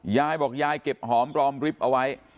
ยายบอกยายเก็บหอมปลอมริบเอาไว้